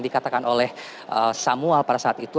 dikatakan oleh samuel pada saat itu